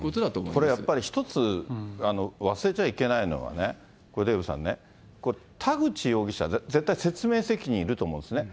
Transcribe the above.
これやっぱり一つ、忘れちゃいけないのはこれ、デーブさんね、これ、田口容疑者、絶対、説明責任いると思うんですね。